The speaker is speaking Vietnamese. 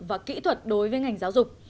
và kỹ thuật đối với ngành giáo dục